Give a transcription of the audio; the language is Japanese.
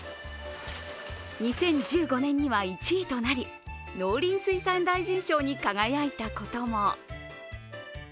２０１５年には１位となり農林水産省賞に輝いたことも。